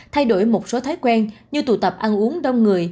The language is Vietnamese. thay đổi một số thói quen như tụ tập ăn uống đông người